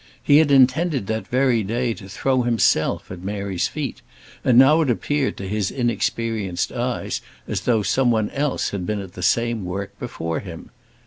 He had intended that very day to throw himself at Mary's feet, and now it appeared to his inexperienced eyes as though somebody else had been at the same work before him.